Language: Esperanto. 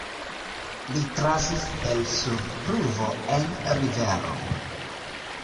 Li trafis el sub pluvo en riveron.